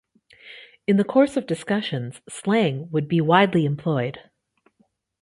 In the course of discussions, slang would be widely employed.